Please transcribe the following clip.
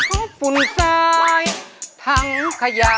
เพลงนี้อยู่ในอาราบัมชุดแจ็คเลยนะครับ